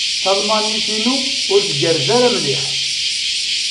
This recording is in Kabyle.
Talmanit-inu ur tgerrez ara mliḥ.